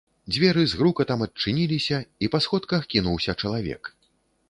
Дзверы з грукатам адчыніліся, і па сходках кінуўся чалавек.